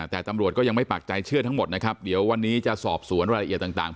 แต่ตำรวจก็ยังไม่ปากใจเชื่อทั้งหมดนะครับเดี๋ยววันนี้จะสอบสวนรายละเอียดต่าง